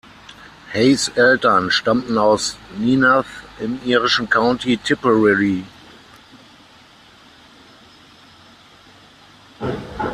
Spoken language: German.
Hayes' Eltern stammten aus Nenagh im irischen County Tipperary.